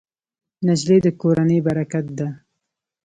نجلۍ د کورنۍ برکت ده.